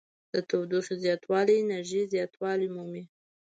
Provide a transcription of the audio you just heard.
د تودوخې زیاتوالی انرژي زیاتوالی مومي.